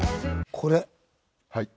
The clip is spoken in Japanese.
これ。